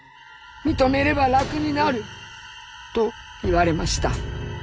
認めれば楽になると言われました。